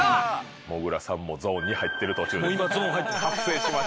もぐらさんもゾーンに入っている途中です。